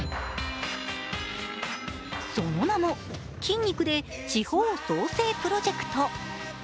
その名も筋肉で地方創生プロジェクト。